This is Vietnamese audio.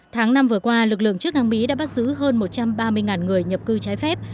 tháng năm vừa qua lực lượng chức năng mỹ đã bắt giữ hơn một trăm ba mươi người nhập cư trái phép